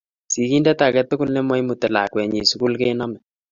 Siginde age tugul ne ma imuti lakwenyin sukul kiname